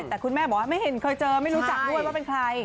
แต่คุณแม่บอกว่าไม่เห็นเคยเจอไม่รู้จักด้วยว่าเป็นใคร